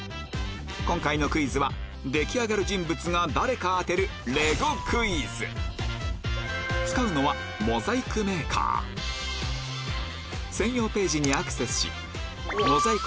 今回のクイズは出来上がる人物が誰か当てる使うのは専用ページにアクセスしモザイク